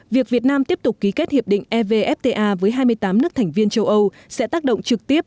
việc việt nam tiếp tục ký kết hiệp định evfta với hai mươi tám nước thành viên châu âu sẽ tác động trực tiếp